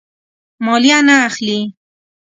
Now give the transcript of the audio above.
مالیه نه اخلي.